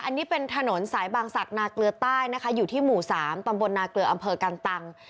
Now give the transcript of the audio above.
อันนี้เป็นถนนสายบางศักดิ์นาเกลือใต้นะคะอยู่ที่หมู่๓ตำบลนาเกลืออำเภอกันตัง